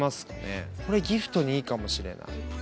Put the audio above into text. これギフトにいいかもしれない。